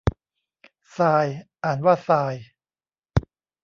ทราย อ่านว่าซาย